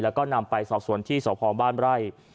แล้วก็นำไปสอบสวนที่สพบ้านไร่